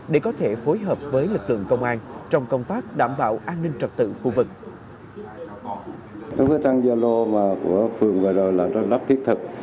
để có thể phối hợp với lực lượng công an trong công tác đảm bảo an ninh trật tự khu vực